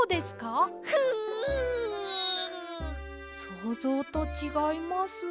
そうぞうとちがいます。